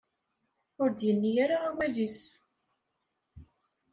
Ur d-yenni ara awal-is.